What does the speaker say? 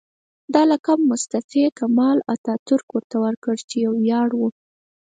دا لقب مصطفی کمال اتاترک ورته ورکړ چې یو ویاړ و.